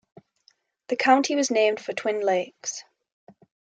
The county was named for Twin Lakes.